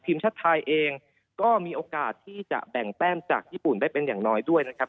ทีมชาติไทยเองก็มีโอกาสที่จะแบ่งแต้มจากญี่ปุ่นได้เป็นอย่างน้อยด้วยนะครับ